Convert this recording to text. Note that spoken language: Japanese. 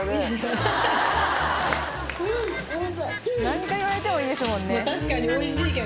何回言われてもいいですもんね。